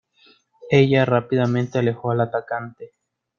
Ella rápidamente alejó al atacante.